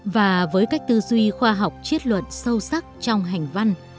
và với cách tư duy khoa học triết luận sâu sắc trong hành văn